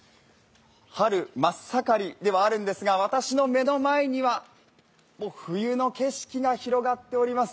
春真っ盛りではあるんですが私の目の前には冬の景色が広がっております。